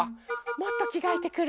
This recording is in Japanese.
もっときがえてくる。